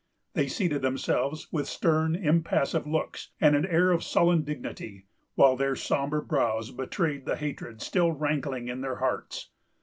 They seated themselves, with stern, impassive looks, and an air of sullen dignity; while their sombre brows betrayed the hatred still rankling in their hearts.